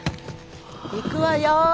行くわよ！